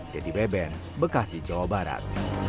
dedy beben bekasi jawa barat